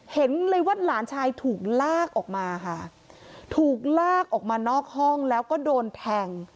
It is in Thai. เห็นเลยว่าหลานชายถูกลากออกมาค่ะถูกลากออกมานอกห้องแล้วก็โดนแทง